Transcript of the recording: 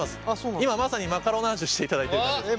今まさにマカロナージュしていただいてる感じですね。